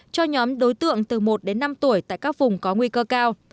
cho nhóm đối tượng từ một đến năm tuổi tại các vùng có nguy cơ cao